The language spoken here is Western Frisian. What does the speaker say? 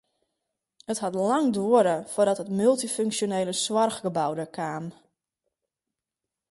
It hat lang duorre foardat it multyfunksjonele soarchgebou der kaam.